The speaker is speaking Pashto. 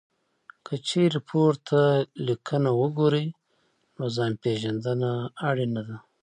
که چېرې پورته لیکنه وګورئ، نو ځان پېژندنه اړینه ده.